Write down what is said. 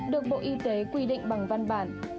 được bộ y tế quy định bằng văn bản